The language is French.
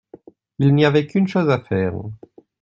Il n'y avait qu'une chose à faire.